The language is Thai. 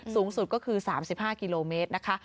สูงสุดก็คือ๓๕กิโลเมตรนะคะ